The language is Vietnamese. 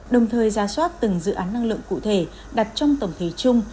đồng thời ra soát từng dự án năng lượng cụ thể đặt trong tổng thể chung